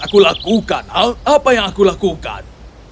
aku lakukan al apa yang aku lakukan